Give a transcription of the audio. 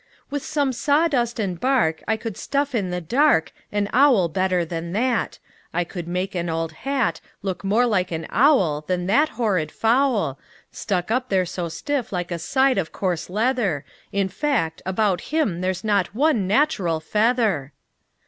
"With some sawdust and bark I could stuff in the dark An owl better than that. I could make an old hat Look more like an owl Than that horrid fowl, Stuck up there so stiff like a side of coarse leather. In fact, about him there's not one natural feather."